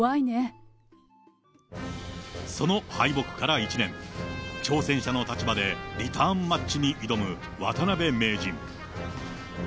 その敗北から１年、挑戦者の立場でリターンマッチに挑む渡辺名人。